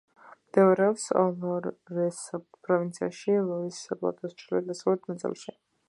მდებარეობს ლორეს პროვინციაში, ლორის პლატოს ჩრდილო-დასავლეთ ნაწილში.